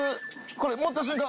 これ持った瞬間